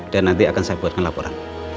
dan nanti akan saya buatkan laporan